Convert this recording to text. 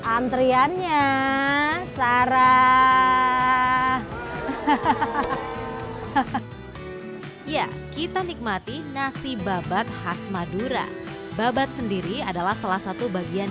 antriannya sarah hahaha ya kita nikmati nasi babat khas madura babat sendiri adalah salah satu bagian